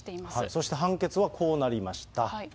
そして判決はこうなりました。